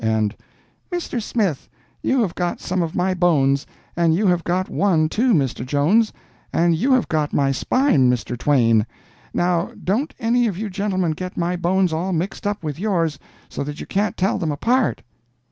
And, "Mr. Smith, you have got some of my bones; and you have got one, too, Mr. Jones, and you have got my spine, Mr. Twain. Now don't any of you gentlemen get my bones all mixed up with yours so that you can't tell them apart."